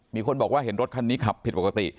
มีคนบอกว่าเห็นรถคันนี้ขับผิดปกติ